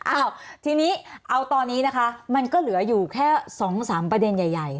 อ้าวทีนี้เอาตอนนี้นะคะมันก็เหลืออยู่แค่๒๓ประเด็นใหญ่